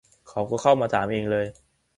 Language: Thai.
เขาก็เข้ามาถามเองเลย